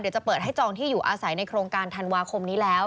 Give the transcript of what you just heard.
จะเปิดให้จองที่อยู่อาศัยในโครงการธันวาคมนี้แล้ว